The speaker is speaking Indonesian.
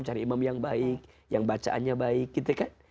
jadi imam yang baik yang bacaannya baik gitu kan